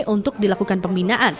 untuk dilakukan pembinaan